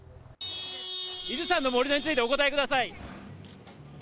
伊豆山の盛り土についてお答えください。